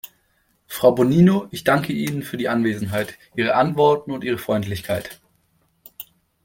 Frau Bonino, ich danke Ihnen für Ihre Anwesenheit, Ihre Antworten und Ihre Freundlichkeit.